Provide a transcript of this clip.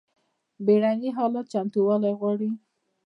بیړني حالات چمتووالی غواړي